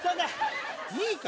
いいか？